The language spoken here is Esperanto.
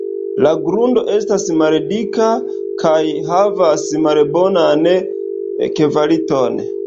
La grundo estas maldika kaj havas malbonan kvaliton.